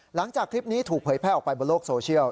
หลังจากคลิปนี้ถูกเผยแพร่ออกไปบนโลกโซเชียล